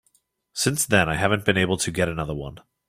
Since then I haven't been able to get another one.